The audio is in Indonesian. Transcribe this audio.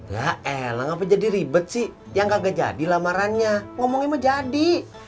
ya elang apa jadi ribet sih yang gak jadi lamarannya ngomongnya mah jadi